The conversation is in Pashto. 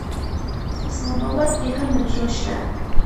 اسلام اباد کې هم میټرو شته.